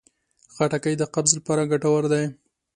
خټکی د قبض لپاره ګټور دی.